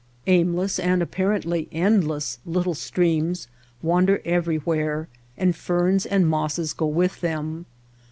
Aimless and apparently endless little streams wander everywhere, and ferns and mosses go with them.